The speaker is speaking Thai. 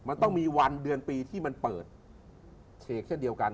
มันต้องมีวันเดือนปีที่มันเปิดเฉกเช่นเดียวกัน